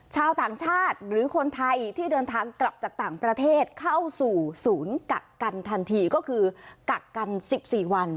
ชาวต่างชาติหรือคนไทยที่เดินทางกลับจากต่างประเทศเข้าสู่ศูนย์กักกันทันทีก็คือกักกัน๑๔วัน